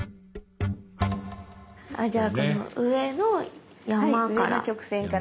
じゃあこの上の山から。